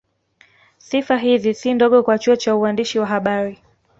Sifa hizi si ndogo kwa chuo cha uandishi wa habari